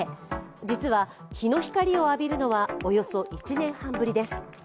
実は日の光を浴びるのはおよそ１年半ぶりです。